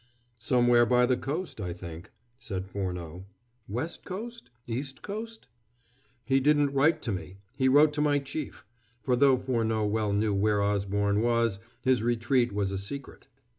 "Somewhere by the coast I think," said Furneaux. "West coast? East coast?" "He didn't write to me: he wrote to my Chief" for, though Furneaux well knew where Osborne was, his retreat was a secret.